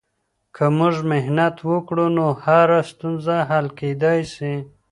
که موږ محنت وکړو، نو هره ستونزه حل کیدای سي.